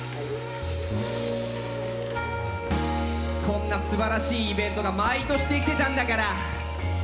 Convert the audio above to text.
こんな素晴らしいイベントが毎年できてたんだから。